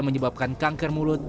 menyebabkan kanker mulut